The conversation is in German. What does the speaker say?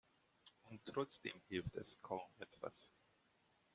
Und trotzdem hilft es kaum etwas.